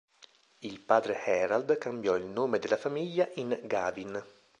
Il padre Herald cambiò il nome della famiglia in Gavin.